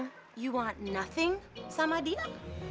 kamu mau apa sama dia